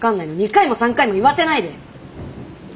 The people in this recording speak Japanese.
２回も３回も言わせないで。